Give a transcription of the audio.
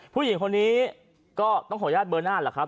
ผู้หญิงคนนี้ก็ต้องขออนุญาตเบอร์หน้าแหละครับ